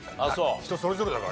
人それぞれだからね。